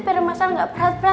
biar mas al gak berat berat